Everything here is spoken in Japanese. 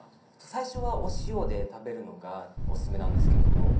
最初はお塩で食べるのがお勧めなんですけども。